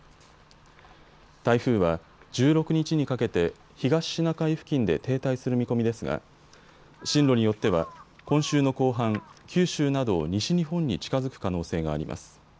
台風は１６日にかけて東シナ海付近で停滞する見込みですが進路によっては今週の後半、九州など西日本に近づく可能性があります。